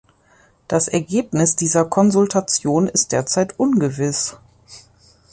Das Ergebnis dieser Konsultationen ist derzeit ungewiss.